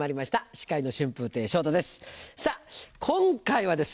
司会の春風亭昇太です